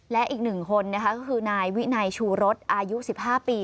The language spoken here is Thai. และอีกหนึ่งคนนะคะก็คือนายวินัยชูรสอายุ๑๕ปี